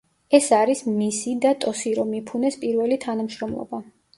ეს არის მისი და ტოსირო მიფუნეს პირველი თანამშრომლობა.